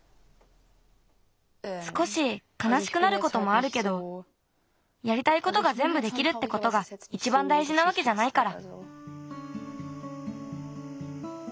すこしかなしくなることもあるけどやりたいことがぜんぶできるってことがいちばんだいじなわけじゃないから。